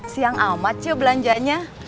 siang amat cek belanjanya